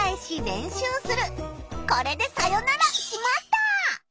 これでさよなら「しまった！」。